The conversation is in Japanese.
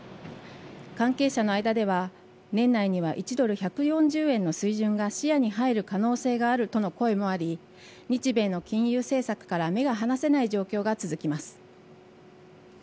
関係者の間では年内には１ドル１４０円の水準が視野に入る可能性があるとの声もあり日米の金融政策から目が離せない状況が続きます。